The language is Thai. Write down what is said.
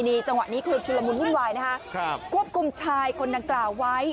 นี่จังหวะนี้คือชุลมุนวุ่นวายนะคะครับควบคุมชายคนดังกล่าวไว้